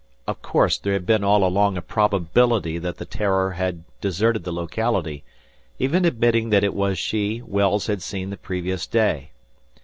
Of course, there had been all along a probability that the "Terror" had deserted the locality, even admitting that it was she Wells had seen the previous day.